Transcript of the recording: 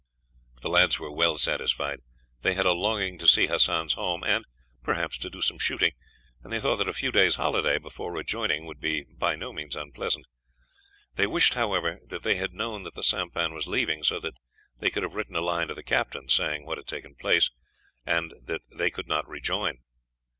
The lads were well satisfied. They had a longing to see Hassan's home, and, perhaps, to do some shooting; and they thought that a few days' holiday before rejoining would be by no means unpleasant. They wished, however, that they had known that the sampan was leaving, so that they could have written a line to the captain, saying what had taken place, and that they could not rejoin.